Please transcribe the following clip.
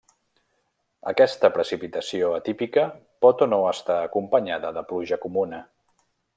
Aquesta precipitació atípica pot o no estar acompanyada de pluja comuna.